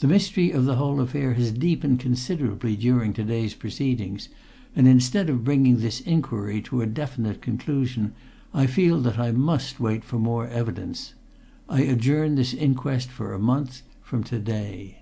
The mystery of the whole affair has deepened considerably during to day's proceedings, and instead of bringing this inquiry to a definite conclusion I feel that I must wait for more evidence. I adjourn this inquest for a month from to day."